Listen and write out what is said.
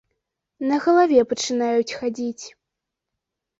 На галаве пачынаюць хадзіць.